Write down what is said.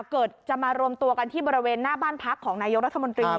จะมารวมตัวกันที่บริเวณหน้าบ้านพักของนายกรัฐมนตรี